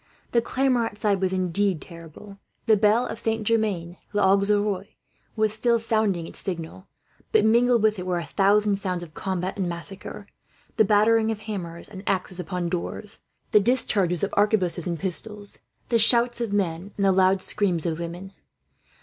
The clamour outside was indeed terrible. The bell of Saint Germain l'Auxerrois was still sounding its signal, but mingled with it were a thousand sounds of combat and massacre, the battering of hammers and axes upon doors, the discharges of arquebuses and pistols, the shouts of men and the loud screams of women.